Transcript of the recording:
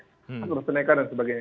nusantara seneca dan sebagainya